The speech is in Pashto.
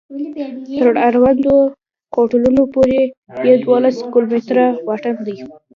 تر اړوندو هوټلونو پورې یې دولس کلومتره واټن دی.